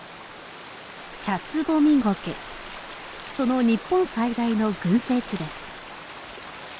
その日本最大の群生地です。